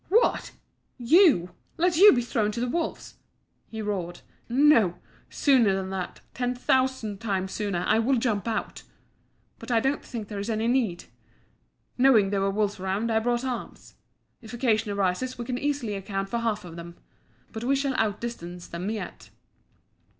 "What! You! Let you be thrown to the wolves?" he roared. "No sooner than that, ten thousand times sooner, I will jump out! But I don't think there is any need. Knowing there were wolves about, I brought arms. If occasion arises we can easily account for half of them. But we shall outdistance them yet."